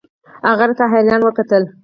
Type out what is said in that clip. هغه راته حيران وکتل.